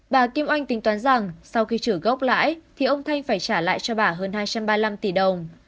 bà kim oanh tính toán rằng sau khi trở gốc lãi thì ông thanh phải trả lại cho bà hơn hai trăm ba mươi năm tỷ đồng